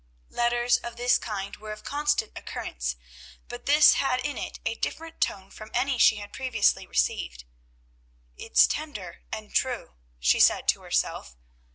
Letters of this kind were of constant occurrence, but this had in it a different tone from any she had previously received. "It's tender and true," she said to herself.